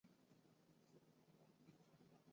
琼考海吉哈特。